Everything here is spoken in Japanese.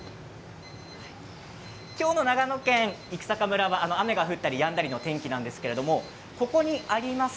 今日の長野県生坂村は雨が降ったりやんだりの天気なんですけれどもここにあります